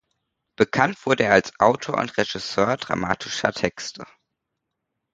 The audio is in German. Bekannt wurde er als Autor und Regisseur dramatischer Texte.